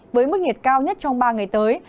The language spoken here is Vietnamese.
với mức nhiệt cao nhất trong ba ngày tới